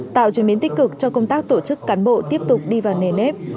tạo chuyển biến tích cực cho công tác tổ chức cán bộ tiếp tục đi vào nề nếp